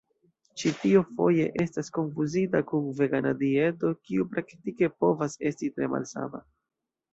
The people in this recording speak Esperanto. Ĉi tio foje estas konfuzita kun vegana dieto, kiu praktike povas esti tre malsama.